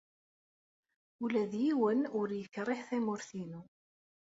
Ula d yiwen ur yekṛih tamurt-inu.